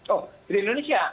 oh di indonesia